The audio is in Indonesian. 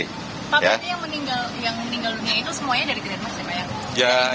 tapi yang meninggal dunia itu semuanya dari grand mag ya pak